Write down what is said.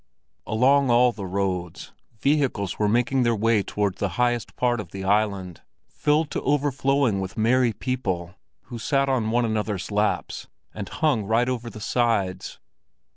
Along all the roads, vehicles were making their way toward the highest part of the island, filled to overflowing with merry people, who sat on one another's laps and hung right over the sides.